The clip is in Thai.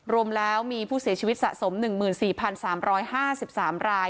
รวมแล้วมีผู้เสียชีวิตสะสม๑๔๓๕๓ราย